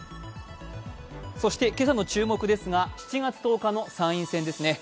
そして今朝の注目ですが、７月１０日の参院選ですね。